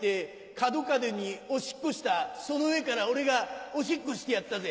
角角におしっこしたその上から俺がおしっこしてやったぜ。